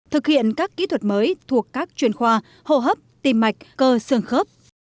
thực hiện các kỹ thuật mới thuộc các chuyên khoa hô hấp tim mạch cơ sương khớp